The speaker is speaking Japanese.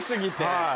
はい。